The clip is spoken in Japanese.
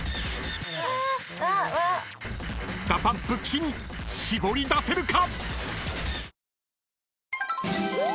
［ＤＡＰＵＭＰＫＩＭＩ絞り出せるか⁉］